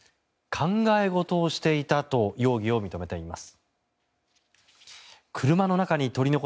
考え事をしていたと容疑を認めています。